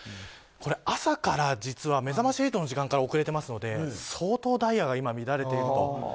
朝から実は「めざまし８」の時間から遅れてますので相当ダイヤが今、乱れていると。